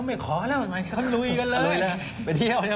กำลังไปเที่ยวนะครับ